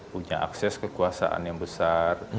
punya akses kekuasaan yang besar